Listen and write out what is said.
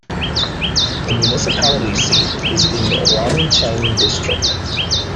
The municipality seat is in Yuancheng District.